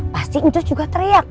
pasti ncus juga teriak